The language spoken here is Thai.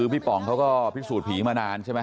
พี่ป๑งเขาก็พิทยุศูดิผีมานานใช่มั้ย